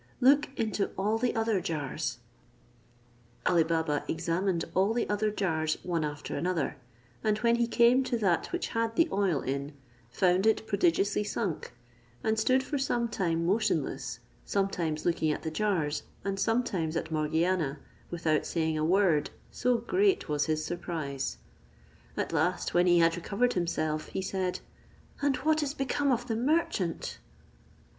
Look into all the other jars." Ali Baba examined all the other jars, one after another: and when he came to that which had the oil in, found it prodigiously sunk, and stood for some time motionless, sometimes looking at the jars, and sometimes at Morgiana, without saying a word, so great was his surprise: at last, when he had recovered himself, he said, "And what is become of the merchant?"